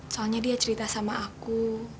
soalnya dia cerita sama aku